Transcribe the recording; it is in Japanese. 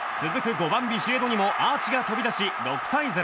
５番ビシエドにもアーチが飛び出し、６対０。